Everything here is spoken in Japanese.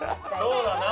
そうだな。